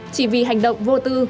chỉ vì hành động vô tư